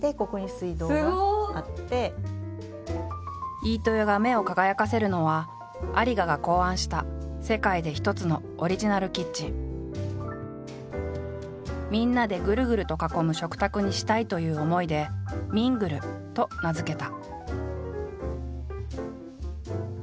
飯豊が目を輝かせるのは有賀が考案した世界で一つのみんなでグルグルと囲む食卓にしたいという思いで「ミングル」と名付けた。